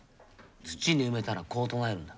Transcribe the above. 土に埋めたらこう唱えるんだ。